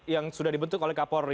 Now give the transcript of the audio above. yang sudah dibentuk oleh kak paul ri